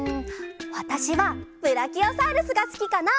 わたしはブラキオサウルスがすきかな！